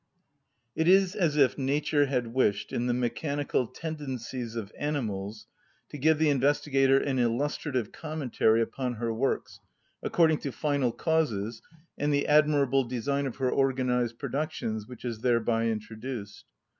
It is as if nature had wished, in the mechanical tendencies of animals, to give the investigator an illustrative commentary upon her works, according to final causes and the admirable design of her organised productions which is thereby introduced.